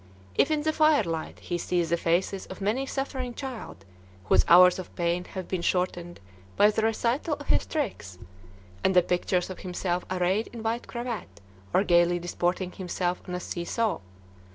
if in the firelight, he sees the faces of many a suffering child whose hours of pain have been shortened by the recital of his tricks, and the pictures of himself arrayed in white cravat, or gayly disporting himself on a 'see saw'?